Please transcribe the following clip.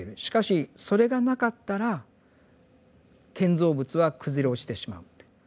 しかしそれがなかったら建造物は崩れ落ちてしまうって。